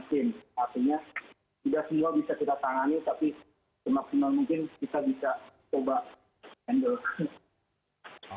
artinya tidak semua bisa kita tangani tapi semaksimal mungkin kita bisa coba handle